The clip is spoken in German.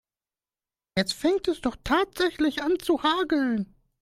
Jetzt fängt es doch tatsächlich an zu hageln.